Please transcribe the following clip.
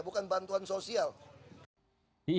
bukan bantuan sosial